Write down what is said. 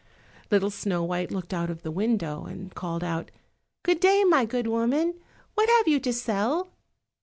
Little Snow white looked out of the window and called out, "Good day my good woman, what have you to sell?"